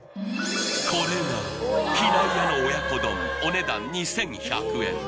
これがひないやの親子丼お値段２１００円